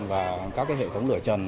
và các hệ thống lửa trần